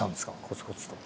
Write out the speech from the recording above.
コツコツと。